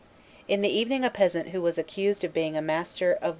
In the evening a peasant who was accused of being a master of Vaudery [i.